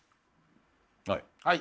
はい。